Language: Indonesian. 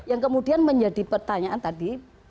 yang kemudian menjadi pertanyaan tadi